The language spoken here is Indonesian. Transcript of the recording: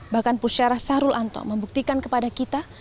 bahkan pusyarah syahrul anto membuktikan kepada kita